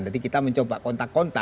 nanti kita mencoba kontak kontak